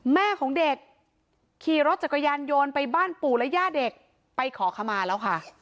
แม่ของเด็กขี่รถจักรยานโยนไปบ้านปู่และย่าเด็กไปขอขมาแล้วค่ะ